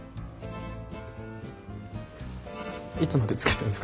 いつまでつけてんですか？